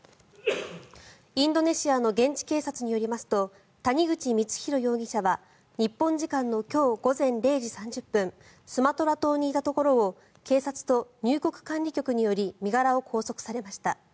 インドネシアの現地警察によりますと谷口光弘容疑者は日本時間の今日午前０時３０分スマトラ島にいたところを警察と入国管理局により身柄を拘束されました。